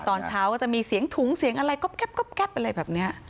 ตอนเช้าก็จะมีเสียงถุงเสียงอะไรก๊อบแก๊บก๊อบแก๊บอะไรแบบเนี้ย